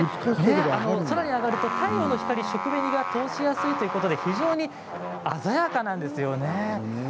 空に揚がると太陽の光食紅が通しやすいということで非常に鮮やかなんですよね。